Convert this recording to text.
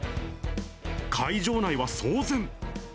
会場内は騒然。